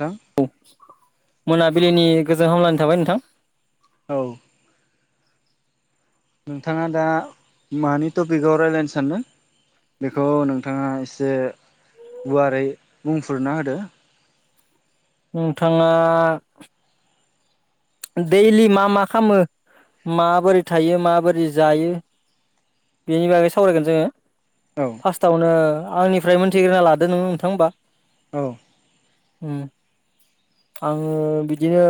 नोंथां औ मोनाबिलिनि गोजोन हामलानि थाबाय नोंथां। औ। नोंथाङा दा मानि टपिकआव रायज्लायनो सान्दों? बेखौ नोंथाङा एसे गुवारै बुंफुरना होदो नोंथाङा दैलि मा मा खालामो माबोरै थायो माबोरै जायो बेनि बागै सावरायगोन जोङो औ फार्स्टआवनो आंनिफ्राय मोनथिग्रोना लादो नोङो नोंथां होनबा औ आङो बिदिनो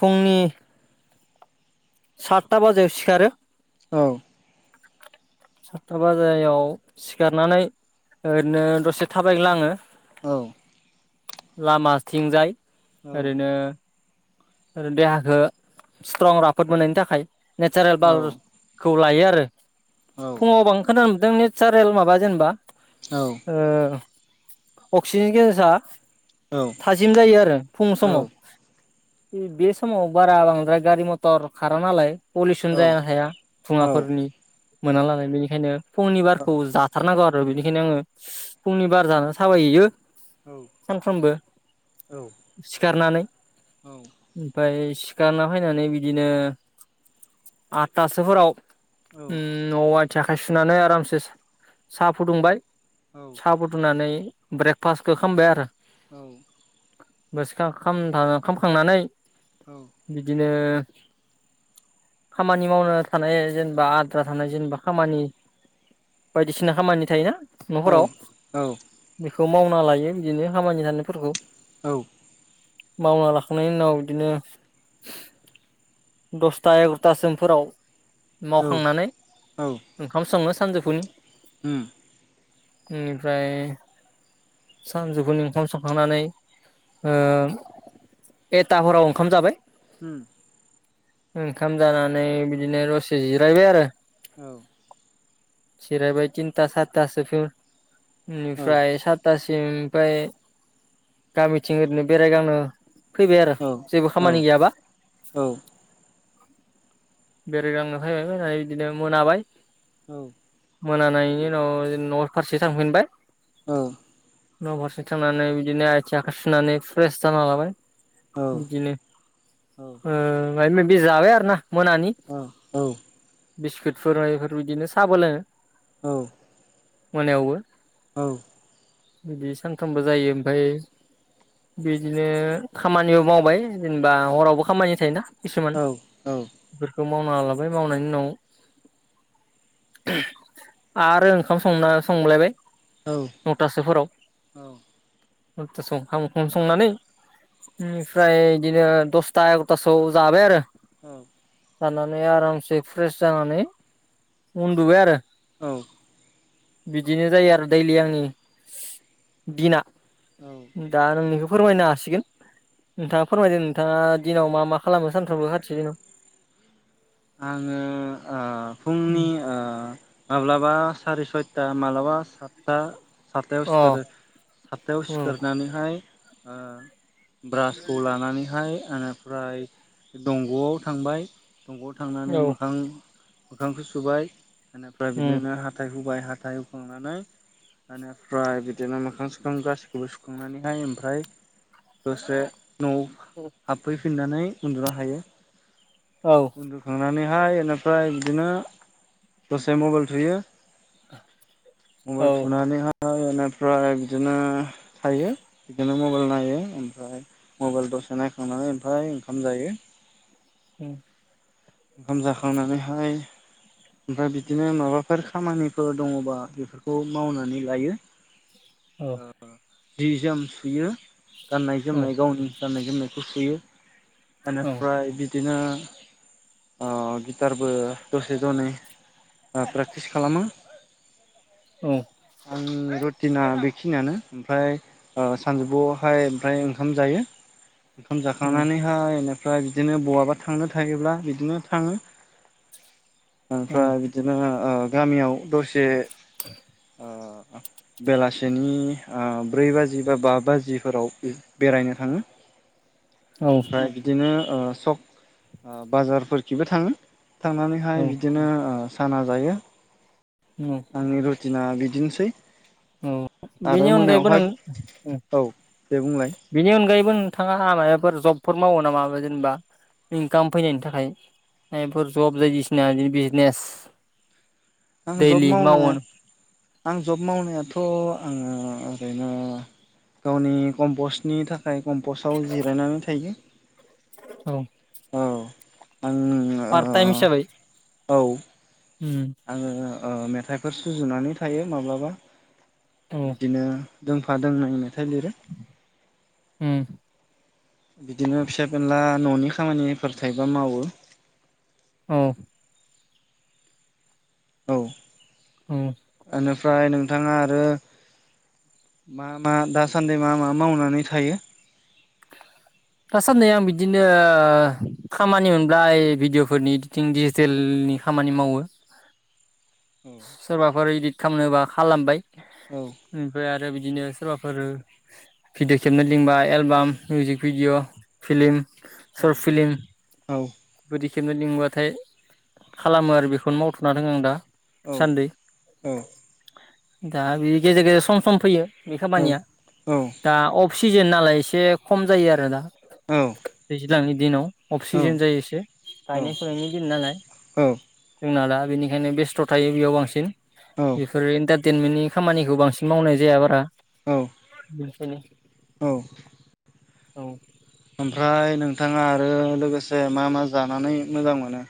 फुंनि सातथा बाजायाव सिखारो औ सातथा बाजायाव सिखारनानै ओरैनो दसे थाबायग्लङो औ लामा थिंजाय औ ओरैनो ओ देहाखौ स्ट्रं राफोद मोननायनि थाखाय नेचारेल औ बारखौ लायो आरो। औ फुङाव बां खोनानो मोनदों नेचारेल माबा जेनेबा औ अक्सिजेन गेस औ थाजिम जायो आरो फुं औ समाव। बे समाव बारा बांद्राय गारि मथर खारा नालाय पलिउसन औ जाया हाया औ धुङाफोर- नि औ मोना लानाय बेनिखायनो फुंनि औ बारखौ जाथारनांगौ आरो बेनिखायनो आङो फुंनि बार जानो थाबायो। सानफ्रोमबो सिखारनानै ओमफ्राय सिखारना फैनानै बिदिनो आठथा सोफोराव उ नवाव आथिं आखाइ सुनानै आरामसे सा फुदुंबाय सा फुदुंनानै ब्रेकफास्टखौ खालामबाय आरो बस ख खाम [inaudible] [unintelligible] थांनानै बिदिनो खामानि मावनो थानाय जेनबा आद्रा थानाय जेनबा खामानि बायदिसिना खामानि थायोना न'फोराव बेखौ मावना लायो बिदिनो खामानि थानायफोरखौ मावना ला- खांनायनि उनाव इदिनो दसथा एगार'थासोमफोराव मावखांनानै औ ओंखाम सङो सानजौफुनि उम बेनिफ्राय सानजौफुनि ओंखाम संखांनानै ओ एताफोराव ओंखाम जाबाय हम ओंखाम जानानै बिदिनो दसे जिरायबाय आरो औ जिरायबाय टिनता सारितासोसिम। औ इनिफ्राय सारितासिमनिफ्राय गामिथिं ओरैनो बेरायगांनो फैबाय आरो औ जेबो औ खामानि गैयाबा औ। बेरायगांनो फायबाय फैबाय इदिनो मोनाबाय, मोनानायनि उनाव जेन न' फारसे थांफिनबाय न'फारसे थांनानै बिदिनो आथिं आखाइ सुनानै फ्रेस जाना लाबाय औ बिदिनो ओ माइबा माइबि जाबाय आरो ना मोनानि अ औ बिस्कुटफोर बा इफोर बिदिनो साबो लोङो औ मोनायावबो औ बिदि सानफ्रोमबो जायो ओमफाय बिदिनो खामानिबो मावबाय जेनबा हरावबो खामानि थायोना किसुमान औ औ। बेफोरखौ मावना लाबाय मावनायनि उनाव आरो ओंखाम संना संलायबाय नौथासोफोराव, औ नौथासोवाव ओंखाम ओंखाम संनानै इनिफ्राय इदिनो दसथा एगार'थासोआव जाबाय आरो जानानै आरामसे फ्रेस जानानै उन्दुबाय आरो। औ बिदिनो जायो आरो दैलि आंनि दिना, औ दा नोंनिखौ फोरमायनो हासिगोन। नोंथाङा फोरमायदो नोंथाङा दिनाव मा मा खालामो सानफ्रामबो [unintelligible] आङो ओ फुंनि ओ माब्लाबा सारि-सयथा माब्लाबा सातथा साटतायाव अ सिखारो साटतायाव उम सिखारनानैहाय ओ ब्रासखौ लानानैहाय इनिफ्राय दंग'आव थांबाय दंग' थांनानै औ मोखां मोखांखौ सुबाय बेनिफ्राय उम बिदिनो हाथाय हुबाय हा- हाथाय हुखांनानै इनिफ्राय बिदिनो मोखां-सोखां गासैखौबो सुखांनानैहाय ओमफ्राय दसे न'आव हाबफैफिननानै उन्दुना थायो। औ उन्दुखांनानैहाय एनिफ्राय बिदिनो दसे मबाइल थुयो औ मबाइल थुनानैहा एनिफ्राय बिदिनो थायो बिदिनो मबाइल नायो ओमफ्राय मबाइल द से नायखांनानै ओमफ्राय ओंखाम जायो। उम ओंखाम जाखांनानैहाय ओमफ्राय बिदिनो माबाफोर खामानिफोर दङबा बेफोरखौ मावनानै लायो औ जि जोम सुयो गाननाय औ जोमनाय गावनि गाननाय जोमनायखौ सुयो औ उम बेनिफ्राय बिदिनो अगिटारबो दसे दनै ओ प्रेक्टिस खालामो। आं रटिना दै खिनियानो ओमफ्राय ओ सानजौफुआवहाय ओमफ्राय ओंखाम जायो। ओंखाम जाखांनानैहाय एनिफ्राय बिदिनो बहाबा थांनो थायोब्ला बिदि दिनो थाङो औ ओमफ्राय बिदिनो गामियाव दसे ओ [inaudible] बेलासिनि ओ ब्रै बाजि बा बा बाजिफोराव बेरायनो थाङो। औ ओमफ्राय बिदिनो ओ सक बाजारफोरखिबो थाङो थांनानैहाय औ बिदिनो साना जायो उम आंनि रुटिना बि दिनोसै औ बेनि अनगायैबो नों औ दे बुंलाय बेनि अनगायैबो नों थाङाहा मायबाफोर जबफोर मावो नामा जेनबा इनकाम फैनायनि थाखाय मायबाफोर जब बायदिसिना बिदि बिजनेस आं जब दैलि मावनो मावोन आं जब मावनायाथ' थ' आङो ओरैनो गावनि कम्पस्टनि थाखाय कम्पस्टआव जिरायनानै थायो औ आंङो हिसाबै ओ औ आङो ओ मेथाइफोर सुजुनानै थायो माब्लाबा औ बिदिनो दोंफा दोंनै मेथाय लिरो उम बिदिनो फिसा फेनला न'नि खामानिफोर थायोबा मावो औ औ औ ओमफ्राय नोंथाङा आरो मा मा दासान्दि मा मा मावनानै थायो? [inaudible] दासान्दै आं बिदिनो ओ खामानि मोनब्ला भिडिअ'फोरनि इदिटिं दिडिजिटेल नि खामानि मावो। सोरबाफोर इदित खालामनोबा खालामबाय औ ओमफ्राय आरो बिदिनो सोरबाफोर भिडिअ खेबनो लिंबा album music video film short film औ बिदि खेबनो लिंबाथाय खालामो आरो बेखौनो मावथ'ना दङो आं दा। औ सान्दै औ दा बे गेजेर गेजेर सम सम फैयो बे औ खामानिया औ दा अफ सिजेन नालाय एसे खम जायो आरो दा औ दैज्लांनि दिनाव औ अफसिजेन जायो गायनाय फुनायनि दिन नालाय औ जोंना दा बेनिखायनो बेस्थ' थायो बेयाव बांसिन औ बेफोरो इन्टारटेनमेन्टनि खामानिखौ बांसिन मावनाय जाया बारा औ खनसेनो औ औ ओमफ्राय नोंथाङा आरो लोगोसे मा मा जानानै मोजां मोनो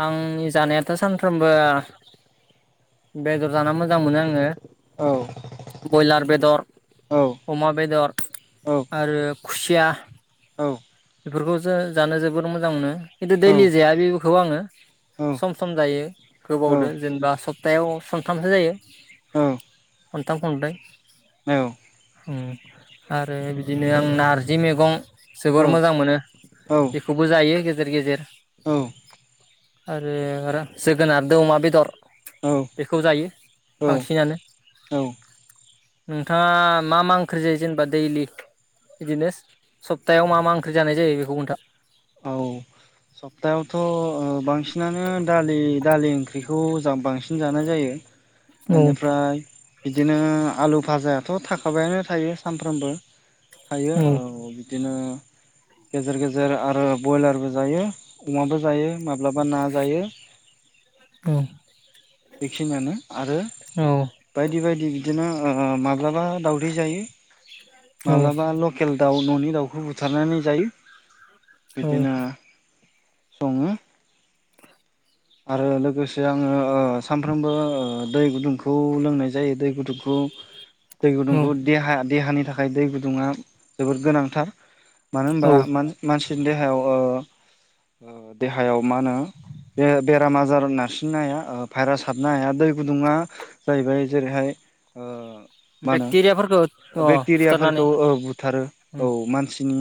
आंनि जानायाथ' सानफ्रोमबो बेदर जाना मोजां मोनो आङो औ ब्रयलार बेदर औ अमा बेदर औ आरो खुसिया औ बेफोरखौसो जानो जोबोर मोजां मोनो खिन्थु औ दैलि जाया बेखौ आङो औ सम सम जायो औ गोबावदो जेनेबा सप्तायाव सानथामसो जायो खन्थाम खनब्रै आरो बिदिनो आं नारजि मैगं जोबोर मोजां मोनो बेखौबो जायो गेजेर गेजेर आरो जोगोनार दो अमा बेदर औ बेखौ जायो बांसिनानो औ नोंथाङा मा मा ओंख्रि जायो जेनेबा दैलि बिदिनो सप्तायाव मा मा ओंख्रि जानाय जायो बेखौ खोनथा औ सप्तायावथ बांसिनानो दालि दालि ओंख्रिखौ बांसिन जानाय जायो औ एनिफ्राय बिदिनो आलु फाजायाथ थाखाबायानो थायो सानफ्रामबो थायो औ बिदिनो गेजेर गेजेर आरो बयलारबो जायो अमाबो जायो माब्लाबा ना जायो औ बेखिनियानो आरो औ बायदि बायदि बिदिनो माब्लाबा दाउदै जायो औ माब्लाबा लकेल दाउ ननि दाउखौ बुथारनानै जायो बिदिनो औ सङो [inaudible] आरो लोगोसे आङो सामफ्रोमबो दै गुदुंखौ लोंनाय जायो दै गुदुंखौ [inaudible] दै औ गुदुंखौ देहा देहानि थाखाय दै गुदुङा जोबोद गोनांथार मानो होनबा मान मानसिनि देहायाव ओ देहायाव ओ देहायाव मा होनो बे बेराम आजार नारसिननो हाया भाइरास हाबनो हाया दै गुदुङा जायैबाय जेरैहाय ओ मा बेक्टेरियाफोरखौ होनो अ फुथारनानै बेक्टेरियाफोरखौ बुथारो उम औ मानसिनि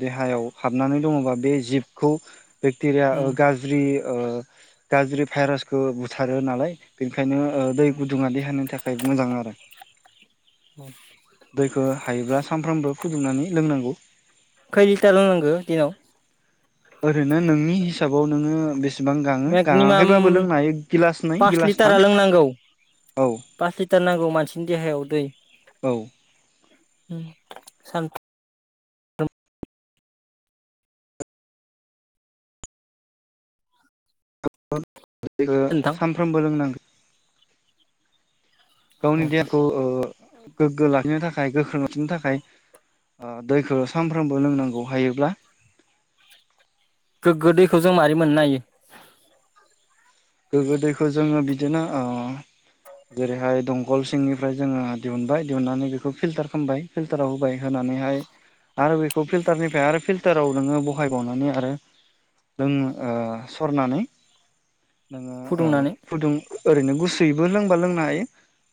देहायाव हाबनानै दङबा बे जिबखौ बेक्टेरिया उम गाज्रि ओ गाज्रि भाइरासखौ बुथारो नालाय बेनि ओंखायनो दै गुदुङा देहानि थाखाय मोजां आरो दैखो हायोब्ला सानफ्रामबो फुदुंनानै लोंनांगौ खै लिटार लोंनांगो दिनाव ओरैनो नोंनि हिसाबाव नोङो बेसे बां गाङो मेक्निमाम गाङाखैबाबो लोंनो हायो गिलास नै पास लिटारा गिलासथाम लोंनांगौ पास लिटार नांगौ मानसिनि देहायाव दै औ ओ सान दैखो नोंथां सानफ्रोमबो लोंनांगोन गावनि औ देहाखौ गोग्गो लाखिनो थाखाय गोख्रों लाखिनो थाखाय दैखो सानफ्रोमबो लोंनांगौ हायोब्ला गोग्गो दैखौ जों मारै मोननो हायो गोगो दैखौ जोङो बिदिनो ओ जेरैहाय दंखल सिंनिफ्राय जोङो दिहुनबाय दिहुननानै बेखौ फिल्टार खामबाय फिल्टाराव होबाय होना नानैहाय आरो बेखौ फिलटारनिफ्राय फिल्टाराव नोङो बहायबावनानै आरो लों ओ सरनानै नोङो फुदुंनानै फुदुं ओरैनो गुसुयैबो लोंबा लोंनो हायो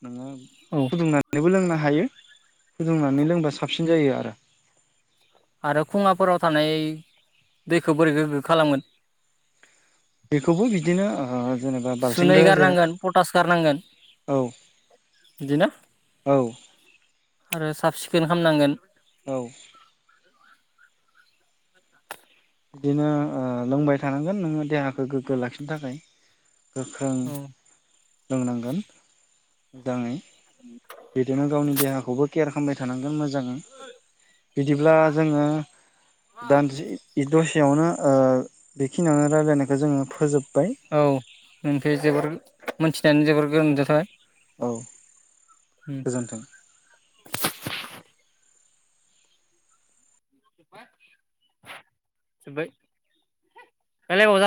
नोङो औ फुदुंनानैबो [inaudible] हायो फुदुंनानै लोंबा साबसिन जायो आरो आरो खुङाफोराव थानाय दैखौ बोरै गोगो खालागोन। बेखौबो बिदिनो ओ जेनेबा सुनै बाल्थिंदो जेरै गारनांगोन पटास गारनांगोन। औ बिदिना औ आरो साफ सिखोन खामनांगोन। औ। बिदिनो लोंबाय थानांगोन नोङो देहाखौ गोग्गो लाखिनो थाखाय। गोख्रों औ लोंनांगोन मोजाङै बिदिनो गावनि देहाखौबो केयार खामबाय थानांगोन मोजां जाङै बिदिब्ला जोङो दान्दिसे दसेयावनो ओ बेखिनियावनो रायलायनाय औ नोंनिफ्राय जोबोर मोनथिनानै जोबोर गोजोन थाबाय। औ गोजोन्थों। [unintelligible]